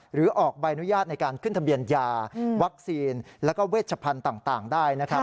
หรือออกใบอนุญาตในการขึ้นทะเบียนยาวัคซีนแล้วก็เวชพันธุ์ต่างได้นะครับ